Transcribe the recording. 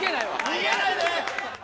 逃げないで！